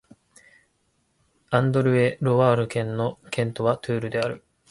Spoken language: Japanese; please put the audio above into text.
アンドル＝エ＝ロワール県の県都はトゥールである